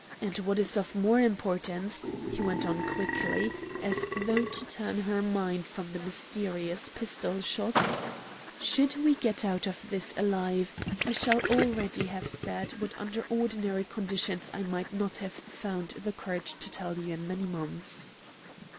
And, what is of more importance," he went on quickly, as though to turn her mind from the mysterious pistol shots, "should we get out of this alive, I shall already have said what under ordinary conditions I might not have found the courage to tell you in many months."